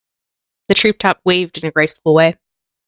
The tree top waved in a graceful way.